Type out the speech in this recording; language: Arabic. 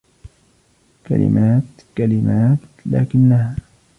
كلمات...كلمات....لكنها.